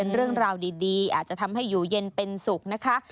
เรื่องราวดีอาจจะทำให้อยู่เย็นเป็นสุขนะคะ